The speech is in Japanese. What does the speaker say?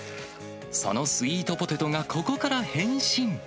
そのスイートポテトがここから変身。